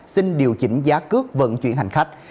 xin điều chỉnh giá cước vận chuyển hành khách